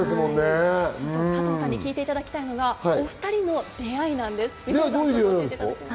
加藤さんに聞いていただきたいのがお２人の出会いなんです。